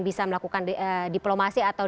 bisa melakukan diplomasi atau